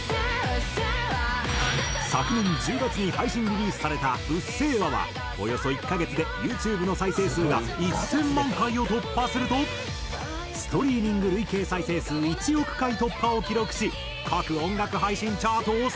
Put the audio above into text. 昨年１０月に配信リリースされた『うっせぇわ』はおよそ１カ月でＹｏｕＴｕｂｅの再生数が１０００万回を突破するとストリーミング累計再生数１億回突破を記録し各音楽配信チャートを席巻！